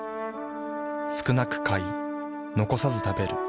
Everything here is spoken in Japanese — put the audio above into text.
少なく買い残さず食べる。